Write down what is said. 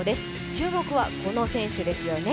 注目はこの選手ですよね。